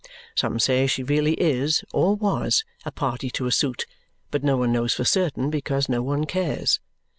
Some say she really is, or was, a party to a suit, but no one knows for certain because no one cares.